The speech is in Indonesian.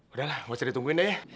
udah lah nggak usah ditungguin dah ya